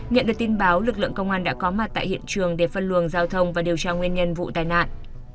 nhận được tin báo lực lượng công an đã có mặt tại hiện trường để phân luồng giao thông và điều tra nguyên nhân vụ tai nạn